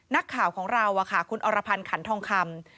นักข่าวของเราคุณอรพันธ์ขันทองคำ